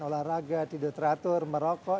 olahraga tidur teratur merokok